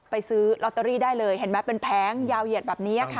ซื้อลอตเตอรี่ได้เลยเห็นไหมเป็นแผงยาวเหยียดแบบนี้ค่ะ